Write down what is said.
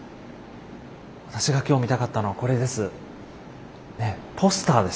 私が今日見たかったのはこれです。